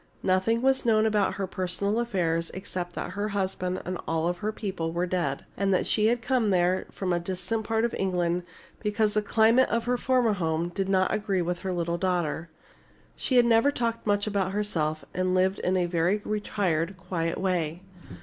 Nothing was known about her personal affairs except that her husband and all her people were dead, and that she had come there from a distant part of England because the climate of her former home did not agree with her little daughter. She never talked much about herself, and lived in a very retired, quiet way.